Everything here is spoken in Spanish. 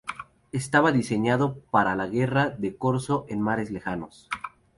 Estaba diseñado para la guerra de corso en mares lejanos.